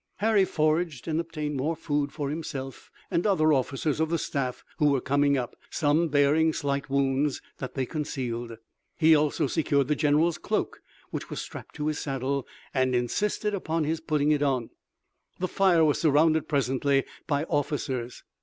Harry foraged and obtained more food for himself, and other officers of the staff who were coming up, some bearing slight wounds that they concealed. He also secured the general's cloak, which was strapped to his saddle and insisted upon his putting it on. The fire was surrounded presently by officers.